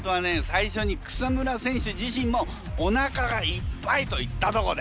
最初に草村選手自身もおなかがいっぱいと言ったとこだよね。